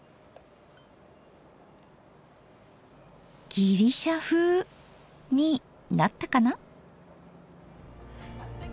「ギリシャふう」になったかな？